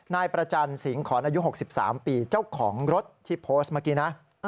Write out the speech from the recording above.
นายประจันสิงหอนอายุ๖๓ปีเจ้าของรถที่โพสต์เมื่อกี้นะ